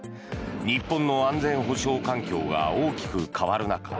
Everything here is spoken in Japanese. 日本の安全保障環境が大きく変わる中